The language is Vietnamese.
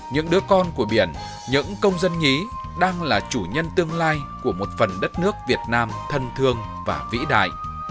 những đứa con của biển những công dân nhí đang là chủ nhân tương lai của một phần đất nước việt nam thân thương và vĩ đại